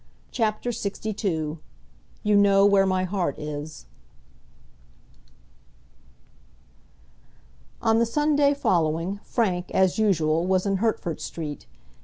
CHAPTER LXII "You Know Where My Heart Is" On the Sunday following, Frank, as usual, was in Hertford Street.